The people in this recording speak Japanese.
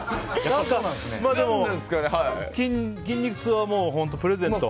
でも、筋肉痛はプレゼント。